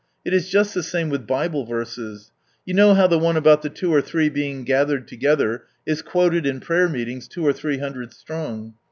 It is just the same with Bible verses. You know how the one about the two or three being gathered together, is quoted in prayer meetings two or three hundred strong.